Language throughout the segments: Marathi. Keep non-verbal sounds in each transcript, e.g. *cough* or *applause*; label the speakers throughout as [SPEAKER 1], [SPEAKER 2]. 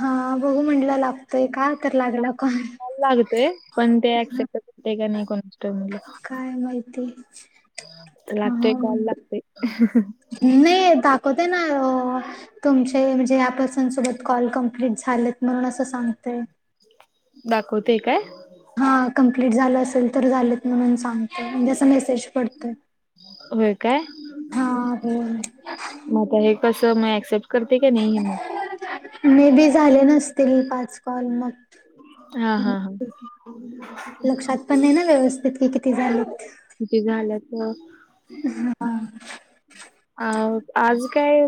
[SPEAKER 1] हा. बघू म्हणला लागतोय का तर लागला कॉल.
[SPEAKER 2] हा लागतंय. पण ते ऍक्सेप्ट करते का नाही कोणा
[SPEAKER 1] काय माहिती.
[SPEAKER 2] *unintelligible* लागतय कॉल लागतय.
[SPEAKER 1] नही दाखवते ना तुमचे म्हणजे या पर्सन सोबत कॉल कंप्लीट झालेत म्हणून असं सांगतय.
[SPEAKER 2] दाखवतय काय?
[SPEAKER 1] हा. कम्प्लीट झालं असेल तर झाले म्हणून सांग म्हणजे असं मेसेज पडत.
[SPEAKER 2] होय काय
[SPEAKER 1] हा बो
[SPEAKER 2] मग हे कसं म ऍक्सेप्ट करतय काय नाही हे मग?
[SPEAKER 1] मे बी झाल नसतील पाच कॉल
[SPEAKER 2] हा
[SPEAKER 1] मग
[SPEAKER 2] हा हा
[SPEAKER 1] लक्षात पण नाही ना व्यवस्थित की किती झालेत?
[SPEAKER 2] किती झालं तर?
[SPEAKER 1] हा.
[SPEAKER 2] आ आज काय?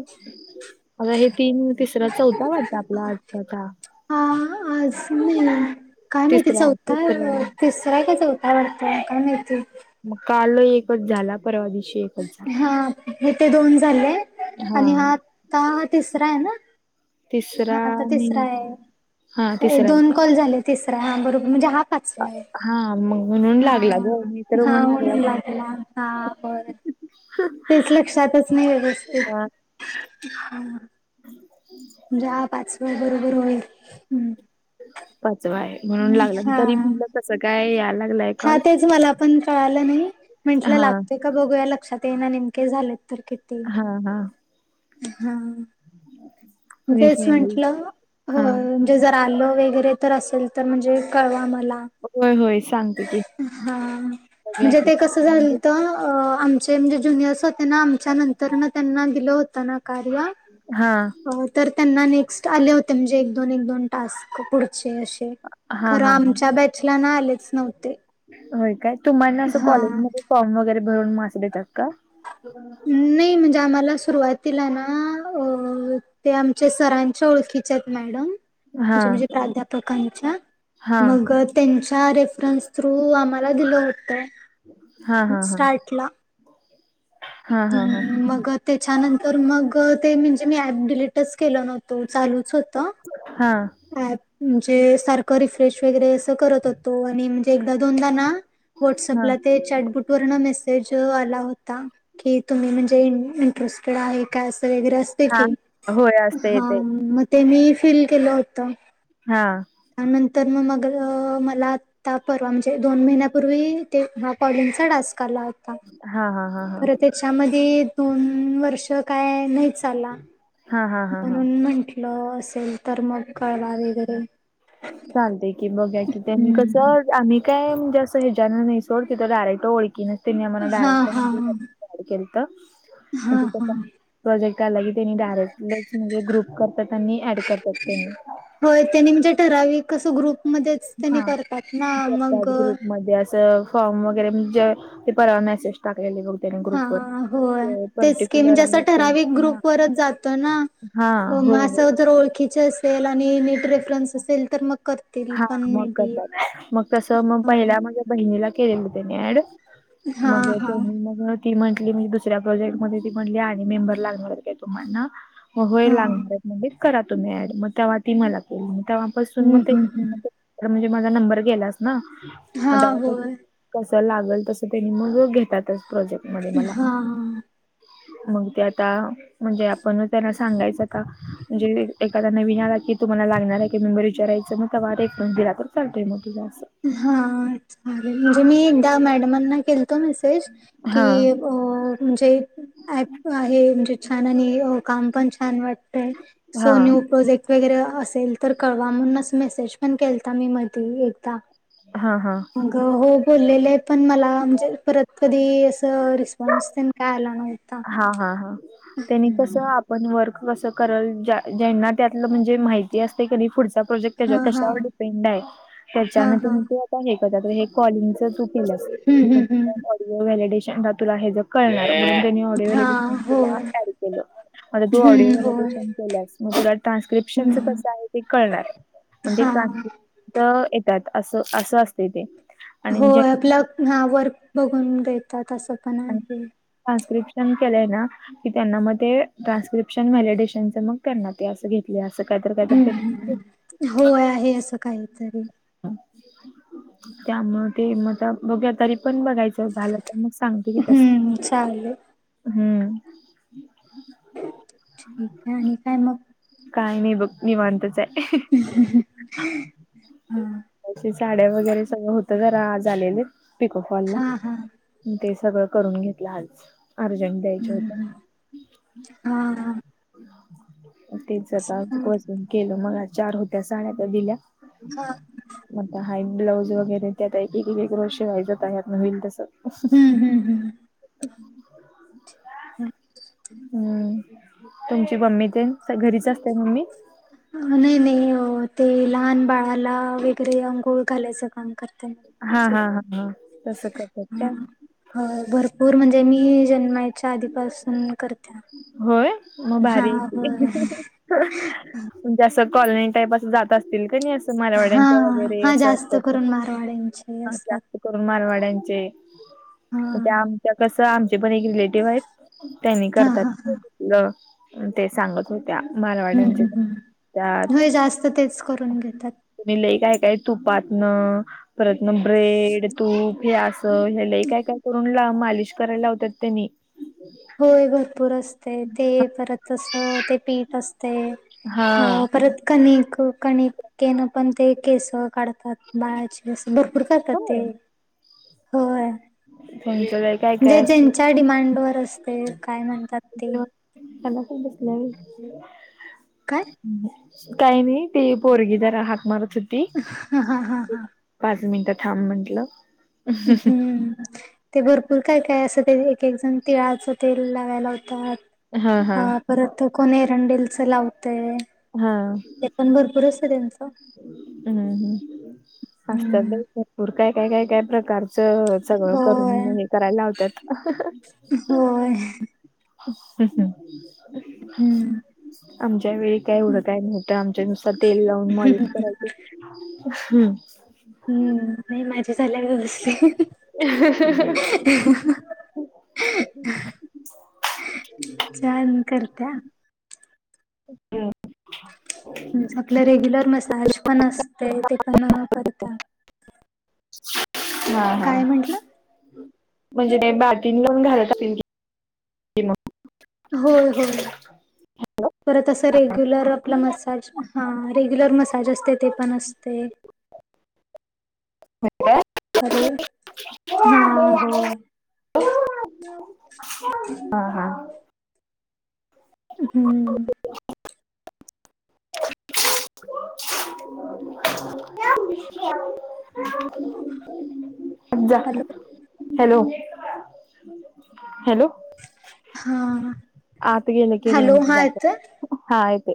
[SPEAKER 2] आता हे तीन तिसरा, चौथा वाटता आपला आत्ताचा.
[SPEAKER 1] हा हा आज नाही काय माहिती
[SPEAKER 2] तिसरा
[SPEAKER 1] चौथा
[SPEAKER 2] तिसरा
[SPEAKER 1] तिसरा आहे काय चौथा का वाटतं काय माहिती
[SPEAKER 2] मग काल एकच झाला परवा दिशी एकच झाला.
[SPEAKER 1] हा हे ते दोन झाले आहे
[SPEAKER 2] हा
[SPEAKER 1] आणि हाता हा तिसरा आहे ना.
[SPEAKER 2] तिसरा
[SPEAKER 1] हा तर तिसरा
[SPEAKER 2] नाही हा
[SPEAKER 1] आहे
[SPEAKER 2] तिसरा आहे
[SPEAKER 1] दोन
[SPEAKER 2] का
[SPEAKER 1] कॉल झाले तिसरा हा बरोबर म्हणजे हा पाचवा आहे.
[SPEAKER 2] हा मग म्हणून लागला ग मी तर
[SPEAKER 1] हा
[SPEAKER 2] मग लागलाच
[SPEAKER 1] हानला हा बर. तेच लक्षातच नाही व्यवस्थ
[SPEAKER 2] नाही
[SPEAKER 1] म्हणजे पाचव बरोबर होईल्.
[SPEAKER 2] पाचवा आहे म्हणून लागला
[SPEAKER 1] हा
[SPEAKER 2] तरी म्हणलं कसं काय या लागलंय.
[SPEAKER 1] हा तेच मला पण कळालं नाही म्हटलं
[SPEAKER 2] हा
[SPEAKER 1] लागत. का बघूया लक्षात ये ना नेमके झालेत तर कि
[SPEAKER 2] हा हा.
[SPEAKER 1] हा
[SPEAKER 2] कुणीच
[SPEAKER 1] तेच
[SPEAKER 2] नाही बाई
[SPEAKER 1] म्हटलं
[SPEAKER 2] हा
[SPEAKER 1] अ ते जर आलं वगैरे तर असेल तर म्हणजे कळवा आम्हाला
[SPEAKER 2] होय होय सांगते की,
[SPEAKER 1] हा
[SPEAKER 2] बघूया
[SPEAKER 1] म्हणजे
[SPEAKER 2] की
[SPEAKER 1] ते कसं
[SPEAKER 2] म्हणजे
[SPEAKER 1] झालत अ आम आचे म्हणजे जुनियर्स होते ना आमच्या नंतर त्यांना दिलं होतं ना कार्य
[SPEAKER 2] हा.
[SPEAKER 1] तर त्यांना नेक्स्ट आले होते म्हणजे एक दोन एक दोन टास्क पुढचे असे.
[SPEAKER 2] हा
[SPEAKER 1] खरं
[SPEAKER 2] हा हा
[SPEAKER 1] आमच्या बॅचला ना आलेच नव्हते.
[SPEAKER 2] होय काय तुम्हाना असं
[SPEAKER 1] हा
[SPEAKER 2] कॉलेजमध्ये फॉर्म वगैरे भरून म अस देतात का?
[SPEAKER 1] नाही म्हणजे आम्हाला सुरुवातीला ना अ ते आमच्या सरांच्या ओळखीचे आहेत मॅडम
[SPEAKER 2] हा
[SPEAKER 1] म्हणजे म्हणजे प्राध्यापकांच्या
[SPEAKER 2] हा
[SPEAKER 1] मग त्यांच्या रेफरन्स थ्रू आम्हाला दिलं होतंय.
[SPEAKER 2] हा हा हा. हा हा
[SPEAKER 1] ह मग. त्याच्यानंतर मग ते म्हणजे मी ॲप डिलीटच केलं नव्हतो चालूच होतं.
[SPEAKER 2] हा.
[SPEAKER 1] प म्हणजे सारखं रिफ्रेश वगैरे असं करत होतो आणि म्हणजे एकदा दोनदा ना,
[SPEAKER 2] हा
[SPEAKER 1] व्हॉट्सअपला ते चॅटबुट वरन मेसेज आला होता. कि तुम्ही म्हणजे इंटरेस्टेड आहे का असं वगरे अस
[SPEAKER 2] हा
[SPEAKER 1] की
[SPEAKER 2] होय असतंय
[SPEAKER 1] हा
[SPEAKER 2] ते
[SPEAKER 1] मग ते मी फील केलं होत.
[SPEAKER 2] हा.
[SPEAKER 1] त्यानंतर मग मग मला त्या परवा म्हणजे दोन महिन्यापूर्वी ते हा कॉलिंग चा टास्क आला होता.
[SPEAKER 2] हा हा हा.
[SPEAKER 1] खरं त्याच्यामध्ये दोन वर्ष काय नाहीच. चला
[SPEAKER 2] हा हा हा हा
[SPEAKER 1] म्हणून म्हंटलं असेल तर मग कळवा वगैरे
[SPEAKER 2] चालते की बगा की त्यांनी कसं आम्ही काय म्हजे असं ह्याच्याानना नाही सोड त तर डायरेक्ट ओळखीन तेनही आम्हला
[SPEAKER 1] हा
[SPEAKER 2] डायरेक्ट
[SPEAKER 1] हा
[SPEAKER 2] मंदी कॉल केलता.
[SPEAKER 1] हा हा.
[SPEAKER 2] प्रोजेक्ट आला कि त्यानी डायरेक्ट च ग्रुप करतात आणि ऍड करतात त्यांनी
[SPEAKER 1] होय त्यांनी म्हणजे ठराविक कसं ग्रुपमध्ये
[SPEAKER 2] हा करतात ग्रुप मध्ये असं फॉर्म वगैरे म्हणजे ते परवा मेसेज टाकलेले बघ त्याने
[SPEAKER 1] हा
[SPEAKER 2] ग्रुपवर
[SPEAKER 1] होय
[SPEAKER 2] ते
[SPEAKER 1] तेच की
[SPEAKER 2] पर्टिक्युलर
[SPEAKER 1] म्हणजे असं
[SPEAKER 2] आहेत ते
[SPEAKER 1] ठराविक
[SPEAKER 2] हा
[SPEAKER 1] ग्रुप वरच जातो ना.
[SPEAKER 2] हा होय
[SPEAKER 1] मा
[SPEAKER 2] होय
[SPEAKER 1] असं जर ओळखीच असेल आणि नीट रेफरन्स असेल तर मग कर
[SPEAKER 2] हा मग करतात मग तस मग
[SPEAKER 1] हा
[SPEAKER 2] पहिल्या बहिणीला केलेलं त्यानी ऍड
[SPEAKER 1] हा
[SPEAKER 2] मग
[SPEAKER 1] हा
[SPEAKER 2] त्यानी मग ती म्हटली म्हणजे दुसऱ्या प्रोजेक्ट मध्ये ती म्हटली आणि मेंबर लागणार काय तुम्हाना होय लागणार
[SPEAKER 1] हम्म
[SPEAKER 2] म्हगच करा तुम्ही ऍड मग तेव्हा ती मला केली मग तेव्हापासून मग ते
[SPEAKER 1] हम्म हम्म
[SPEAKER 2] तर म्हणजे माझा नंबर गेलास ना
[SPEAKER 1] हा
[SPEAKER 2] म
[SPEAKER 1] होय
[SPEAKER 2] कसं लागल तसं त्यांनी मगच घेतातच प्रोजेक्ट मध्ये मला
[SPEAKER 1] हा
[SPEAKER 2] मग ते आता म्हणजे आपण त्यांना सांगायचं का, म्हणजे एखादा नवीन आला की तुम्हाला लागणार आहे की मेंबर विचारायचं मग तेंव्हा रेफरन्स दिला तर चालतंय मग तुझ असं
[SPEAKER 1] हा चालेल म्हणजे मी एकदा मॅडमांना केलतो मेसेज की
[SPEAKER 2] हा
[SPEAKER 1] हो म्हणजे आहे ना हे म्हणजे छान आणि काम पण छान वाटतय सो
[SPEAKER 2] हा
[SPEAKER 1] न्यू प्रोजेक्ट वगैरे असेल तर कळवा म्हणून मेसेज पण केलता मी मध्ये एकदा.
[SPEAKER 2] हा हा.
[SPEAKER 1] माग हो बोललेले पण मला म्हणजे परत कधी असं रिस्पॉन्स तेन काय आला नव्हता.
[SPEAKER 2] हा हा हा त्यानी कस
[SPEAKER 1] हम्म
[SPEAKER 2] आपण वर्क कस करल ज्यांना त्यातलं म्हणजे माहिती असतय की नी पुढचा प्रोजेक्ट
[SPEAKER 1] हा
[SPEAKER 2] त्याच्यावर
[SPEAKER 1] हा
[SPEAKER 2] कशावर डिपेंड आहे
[SPEAKER 1] हा
[SPEAKER 2] ह्याच्याने
[SPEAKER 1] हा
[SPEAKER 2] त्यांनी ते हे करत्यात तर हे कॉलिंग च तर तु केलीयास
[SPEAKER 1] हम्म
[SPEAKER 2] मग
[SPEAKER 1] हम्म
[SPEAKER 2] तुला
[SPEAKER 1] हम्म
[SPEAKER 2] ऑडिओ व्हयलिदेशेन ला तुला हे जे कळणार मग तुला ऑडिओ
[SPEAKER 1] हा
[SPEAKER 2] व्हयलिदेशेन
[SPEAKER 1] होय
[SPEAKER 2] तुला ऍड केलं. मता तू ऑडिओ
[SPEAKER 1] हम्म होय
[SPEAKER 2] एडिशन केल्यास मग तुला ट्रान्स्क्रिप्शनच
[SPEAKER 1] हम्म
[SPEAKER 2] कसं आहे ते कळणार. म्हणजे
[SPEAKER 1] हा
[SPEAKER 2] ट्रान्सलेट येतात अस असं असतय ते आणि जे
[SPEAKER 1] होय आपला ह वर्क बघून देतात असं पण
[SPEAKER 2] आणि
[SPEAKER 1] आहे.
[SPEAKER 2] ट्रान्स्क्रिप्शन केलंय ना की त्यांना मग ते ट्रान्स्क्रिप्शन व्हॅलिडेशनच मग करणार. ते असं घेतले असं काय तर काय तर त्यानी
[SPEAKER 1] होय आहे असं काहीतरी
[SPEAKER 2] त्यामुळे ते मग आता तरीपण बघायचं. झालं तर मग सांगते की तस
[SPEAKER 1] हम्म चालेल
[SPEAKER 2] हम्म.
[SPEAKER 1] ठीक आहे आणि काय मग
[SPEAKER 2] काही नाही बघ निवांतच आहे.
[SPEAKER 1] ह ह ह.
[SPEAKER 2] अ साड्या वगैरे सगळ होत जरा आज आलेले. पिकोफॉलला
[SPEAKER 1] हा हा
[SPEAKER 2] ते सगळं करून घेतलं आज अर्जंट द्यायच होत.
[SPEAKER 1] हा हा.
[SPEAKER 2] तेच आता बसून केल मग चार होत्या साड्या त्या दिल्या
[SPEAKER 1] हा.
[SPEAKER 2] म त्या हाईट ब्लाउज वगैरे त्या टाईप आता एक एक रोज शेवायचं यातन होईल तसं.
[SPEAKER 1] हम्म हम्म हम्म
[SPEAKER 2] हू हू. हम्म तुमची मम्मी तेन घरीच असतात म्हणे.
[SPEAKER 1] नाही नाही ते लहान बाळाला वगैरे अंघोळ घालायचं काम करत.
[SPEAKER 2] हा हा हा हा तस करतात काय
[SPEAKER 1] हो भरपूर म्हणजे मी जन्मायच्या आधीपासून करतात.
[SPEAKER 2] होय मग भारी आहे की हू हू हू. म्हणजे असं कॉलनी टाईप अस जात अस असतील का नाही असं
[SPEAKER 1] हा
[SPEAKER 2] मरावाड्यांच्या वगैरे
[SPEAKER 1] हा
[SPEAKER 2] असं
[SPEAKER 1] जास्त
[SPEAKER 2] असतात
[SPEAKER 1] करून मारवाड्यांचे
[SPEAKER 2] जात.
[SPEAKER 1] असतात
[SPEAKER 2] कोण मारवाड्यांचेही
[SPEAKER 1] हा
[SPEAKER 2] ते आमच्या कसं आमचे पण एक रिलेटिव्ह आहेत त्यानी
[SPEAKER 1] हा हा हा.
[SPEAKER 2] ल ते सांगत हो. त्या
[SPEAKER 1] हम्म
[SPEAKER 2] मालवाड्यांचे
[SPEAKER 1] हम्म हम्म होय
[SPEAKER 2] त्यात
[SPEAKER 1] जास्त तेच करून घेतात
[SPEAKER 2] मी लई काय काय तुपातनं परतन ब्रेड तूप हे अस. ह्याला काय काय करून ला मालिश करायला लावत्यात त्यांनी.
[SPEAKER 1] होय भरपूर असतय ते परत तसं ते पीठ असतय.
[SPEAKER 2] हा
[SPEAKER 1] अ परत कणिक कणिकेनं पण ते केस काढतात. बाळाची अस भरपूर करतात ते होय.
[SPEAKER 2] *unintelligible*
[SPEAKER 1] जे
[SPEAKER 2] असते
[SPEAKER 1] ज्यांच्या डिमांड वर असते काय म्हणतात ते
[SPEAKER 2] त्याला पण भुक लागली.
[SPEAKER 1] काय.
[SPEAKER 2] काय नाही ती पोरगी जरा हाक मारत होती.
[SPEAKER 1] ह हा हा हा.
[SPEAKER 2] पाच मिनिटं थांब म्हंटलं.
[SPEAKER 1] हम्म ते भरपूर काय काय असं ते एक एक जण तिळाचं ते लावय लावतात.
[SPEAKER 2] हा हा.
[SPEAKER 1] परत कोण एरंडेलच लावतय?
[SPEAKER 2] हा.
[SPEAKER 1] ते पण भरपूर असत त्यांच.
[SPEAKER 2] हम्म हम्म असत्यात
[SPEAKER 1] हम्म
[SPEAKER 2] बाई भरपूर काय काय काय काय प्रकारचं. सगळं
[SPEAKER 1] होय
[SPEAKER 2] करून हे करायला लावत्यात.
[SPEAKER 1] होय.
[SPEAKER 2] *inaudible*
[SPEAKER 1] हम्म.
[SPEAKER 2] आमच्या वेळी काही एवढ काय नव्हतं आमच्या नुसत तेल लावून मॉलिश करायचीत? हम्म.
[SPEAKER 1] हम्म नाही माझी झाल्या व्यवस्थित छान करत्या?
[SPEAKER 2] हम्म.
[SPEAKER 1] म्हणजे आपलं रेग्युलर मसाज पण असतय ते पण करत्यात.
[SPEAKER 2] हा हा
[SPEAKER 1] काय म्हंटलं
[SPEAKER 2] म्हणजे ते बाटीन लावून घालत असतील की.
[SPEAKER 1] होय होय. परत असं रेग्युलर आपला मसाज हा रेग्युलर मसाज असतय ते पण असते. हॅलो! हा होय.
[SPEAKER 2] हा हा.
[SPEAKER 1] हम्म. *inaudible*
[SPEAKER 2] *unintelligible* अ
[SPEAKER 1] हॅलो
[SPEAKER 2] हॅलो! हॅलो!
[SPEAKER 1] हा
[SPEAKER 2] आत गेल की
[SPEAKER 1] हॅलो
[SPEAKER 2] रेंज
[SPEAKER 1] हा येतोय
[SPEAKER 2] जाते हा येतोय.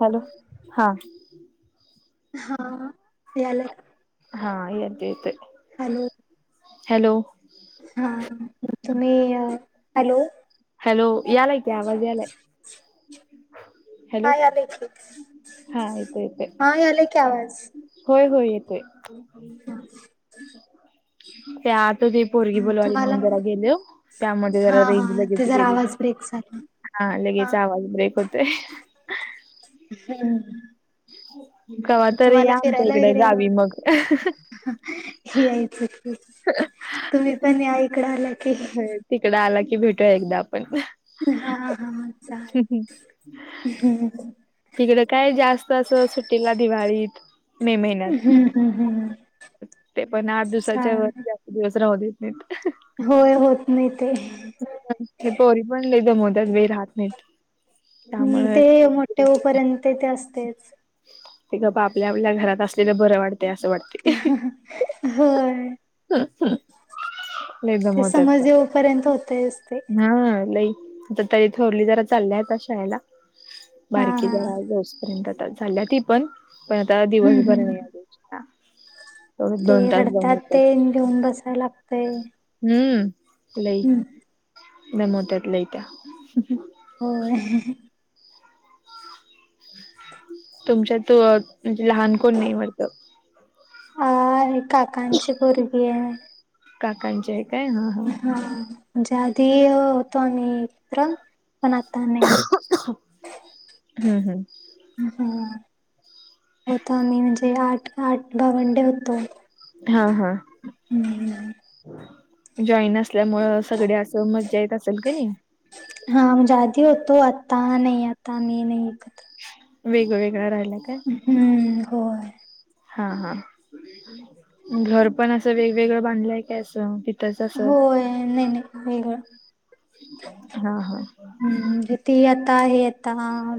[SPEAKER 2] हॅलो! हां.
[SPEAKER 1] हा यायल ना.
[SPEAKER 2] हा येतोय येतोय.
[SPEAKER 1] हॅलो.
[SPEAKER 2] हॅलो.
[SPEAKER 1] हा तुम्ही हॅलो.
[SPEAKER 2] हॅलो यालाकी आवाज यालाय. हॅलो
[SPEAKER 1] हा यालय की
[SPEAKER 2] हा येतोय येतोय
[SPEAKER 1] हा यालयकी की आवाज.
[SPEAKER 2] होय होय येतोय त्या आता दीप पोरगी
[SPEAKER 1] हा
[SPEAKER 2] बोलवाली
[SPEAKER 1] तुम्हाला
[SPEAKER 2] म्हणून जरा गेलो त्यामध्ये
[SPEAKER 1] हा
[SPEAKER 2] जरा
[SPEAKER 1] हा
[SPEAKER 2] रेंज
[SPEAKER 1] ते
[SPEAKER 2] लगेच
[SPEAKER 1] जरा
[SPEAKER 2] गेली बघ.
[SPEAKER 1] आवाज ब्रेक झाला
[SPEAKER 2] हा लगेच आवाज ब्रेक होतोय.
[SPEAKER 1] हम्म
[SPEAKER 2] कवा तरी
[SPEAKER 1] तुम्हाला
[SPEAKER 2] या आमच्या इकडे गावी मग.
[SPEAKER 1] यायच की तुम्ही पण या इकड आला की?
[SPEAKER 2] ह तिकड आला की भेटूया एकदा आपण.
[SPEAKER 1] हा हा चालतय *unintelligible*
[SPEAKER 2] तिकड काय जास्त असं सुट्टीला दिवाळीत मे
[SPEAKER 1] हम्म हम्म हम्म
[SPEAKER 2] महिन्यात ते पण आठ दिवसाच्या
[SPEAKER 1] चालेल
[SPEAKER 2] वरती जा दिवस राहु देत नाह.
[SPEAKER 1] होय होत नाही ते.
[SPEAKER 2] हे पोरी पण लई दमावत्या बाई राहत नाहीत.
[SPEAKER 1] हम्म
[SPEAKER 2] त्यामुळे
[SPEAKER 1] ते मोठेपर्यंत ते असतेच.
[SPEAKER 2] ते ग् आपल्या आपल्या घरात असलेलं बरं वाटतय असं वाटतं.
[SPEAKER 1] होय
[SPEAKER 2] लई
[SPEAKER 1] ते
[SPEAKER 2] दमवतात
[SPEAKER 1] समज
[SPEAKER 2] त्या.
[SPEAKER 1] येऊ. पर्यंत होते असते.
[SPEAKER 2] हा लई आता तरी थोरली जरा चालल्या आता शाळेला.
[SPEAKER 1] हा
[SPEAKER 2] बारकी
[SPEAKER 1] हा
[SPEAKER 2] ज
[SPEAKER 1] हम्म
[SPEAKER 2] दिसपर्यंत झाल्या ती पण पण आता दिवसभर
[SPEAKER 1] हम्म
[SPEAKER 2] नाही आ. अछा
[SPEAKER 1] ते रडत्याात ते घेऊन बसायला लागतंय.
[SPEAKER 2] हम्म लई नम त्याच लय त्या्या.
[SPEAKER 1] हो
[SPEAKER 2] तुमच्यात म्ह लहान कोण नाही वाटत.
[SPEAKER 1] का काकांची पोरगी आहे.
[SPEAKER 2] काकांची आहे काय हा? हा.
[SPEAKER 1] अन ऎंटिलेजेबल पण आता नाही
[SPEAKER 2] हम्म हम्म.
[SPEAKER 1] हम् होता मी म्हणजे आठ आठ दहा घंटे होतो.
[SPEAKER 2] हा हा
[SPEAKER 1] हम्म
[SPEAKER 2] जॉईन असल्यामुळें सगळे असं मजा येत असेल का नाही.
[SPEAKER 1] हा आदी होतो आता नाही आता मी नाही कर.
[SPEAKER 2] वेगवेगळ्या राहिल्या काय?
[SPEAKER 1] हम्म होय
[SPEAKER 2] हा हा घर पण असं वेगवेगळं बांधलंय काय अस कि?
[SPEAKER 1] हो नाही नाही वेगळ
[SPEAKER 2] हा हा
[SPEAKER 1] म्हणजे ती आता आहे आता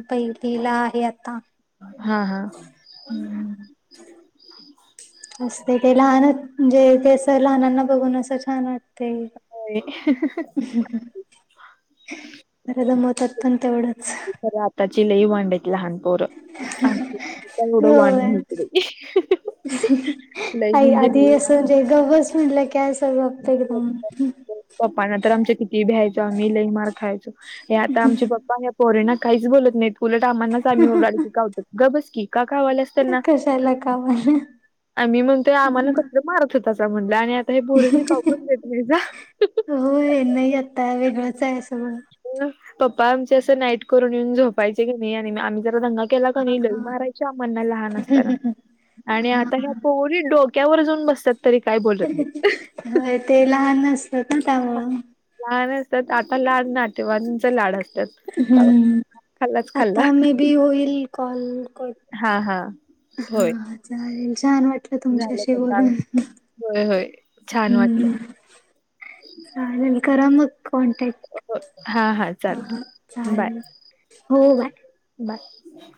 [SPEAKER 1] पहिलीला आहे आता
[SPEAKER 2] हा हा
[SPEAKER 1] हम्म असते ते लहान म्हणजे ते असं लहनांना बघून असं छान वाटते. दमवतात पण तेवढंच.
[SPEAKER 2] त्याची लई मांडाची लहानपोर आड
[SPEAKER 1] होय.
[SPEAKER 2] वणक लई म्हणजे लई
[SPEAKER 1] ते गस म्हलं कय स आपत एकदम
[SPEAKER 2] पप्पाना तर आमच्या किती भ्यायचो आम्ही लई मार खायचो हे आता आमचे पप्पा पण या पोररीणाना काहीच बोलत नाहीत उलट आम्हाांनाच आम्हीरड खावतो ग बस की का खावायला.
[SPEAKER 1] कशाला कावाला
[SPEAKER 2] आ मी म्हणतोय आम्हाला कसलं मारत होता अस म्हणलं आणि आता हे बोरसनी कावुन पण देत नाही जा.
[SPEAKER 1] हो हे नाही आता वेगळंच आहे.
[SPEAKER 2] पप्पा आमचे असं नाईट करून येऊन झोपायचे की नाही आणि आमही दंगा केला का लई मारायचे लहान असताना आणि आ
[SPEAKER 1] हा
[SPEAKER 2] घ्या. थोडी डोक्यावर जाऊन बसतात. तरी काय बोल
[SPEAKER 1] होय ते लहान असत ना त्यामुळं.
[SPEAKER 2] लहान असतात आता लाड नाटेवाांच लाड असतात तवा
[SPEAKER 1] हम्म
[SPEAKER 2] खाल्लाच खाल्ला
[SPEAKER 1] आता मे बी होईल कॉल कर.
[SPEAKER 2] हा हा होय
[SPEAKER 1] हा चालेल छान वाट लं
[SPEAKER 2] झालं
[SPEAKER 1] तुमच्याशी
[SPEAKER 2] का काम
[SPEAKER 1] बोलून
[SPEAKER 2] होय होय. छान वाटलं
[SPEAKER 1] हम् ह नन करामग कॉनटॅक्ट
[SPEAKER 2] हा हा चाल बाय
[SPEAKER 1] चालेल. हो बाय
[SPEAKER 2] बाय